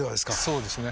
そうですね。